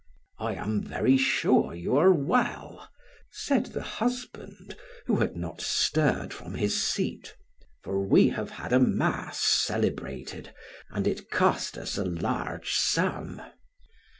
"I am very sure you are well," said the husband, who had not stirred from his seat, "for we have had a mass celebrated, and it cost us a large sum."